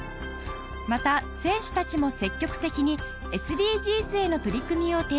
また選手たちも積極的に ＳＤＧｓ への取り組みを提案